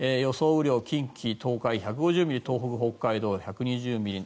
雨量は近畿・東海１５０ミリ東北、北海道１２０ミリ